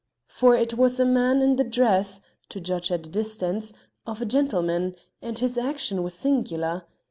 For it was a man in the dress (to judge at a distance) of a gentleman, and his action was singular.